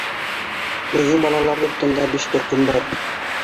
Беҙҙең балалар йортонда биш төркөм бар.